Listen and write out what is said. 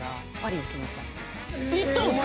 行ったんですか？